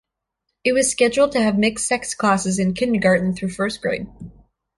It was scheduled to have mixed-sex classes in Kindergarten through first grade.